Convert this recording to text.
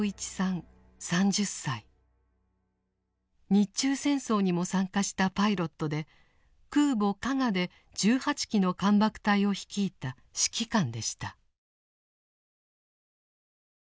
日中戦争にも参加したパイロットで空母「加賀」で１８機の艦爆隊を率いた指揮官でした。